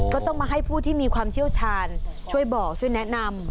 ก็ต้องมาให้ผู้ที่มีความเชี่ยวชาญช่วยบอกช่วยแนะนำ